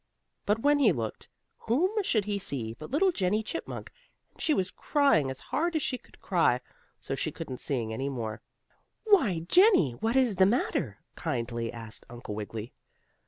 But when he looked, whom should he see but little Jennie Chipmunk, and she was crying as hard as she could cry, so she couldn't sing any more. "Why, Jennie, what is the matter?" kindly asked Uncle Wiggily.